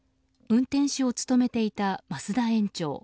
運転手を務めていた増田園長